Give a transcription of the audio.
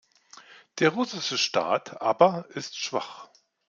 Der russische Staat aber ist schwach.